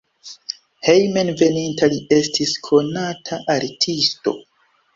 Hejmenveninta li estis konata artisto.